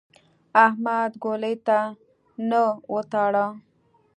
احمد ګولۍ ته نه وتاړه.